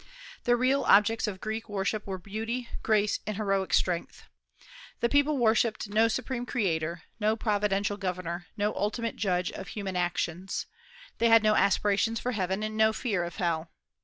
The real objects of Greek worship were beauty, grace, and heroic strength. The people worshipped no supreme creator, no providential governor, no ultimate judge of human actions. They had no aspirations for heaven and no fear of hell.